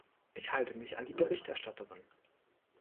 Ich halte mich an die Berichterstatterin.